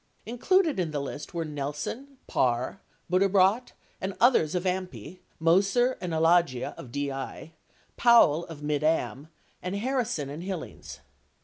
81 Included in the list were Nelson, Parr, Butterbrodt, and others of AMPI, Moser and Alagia of 1)1, Powell of Mid Am and Harrison and Hillings.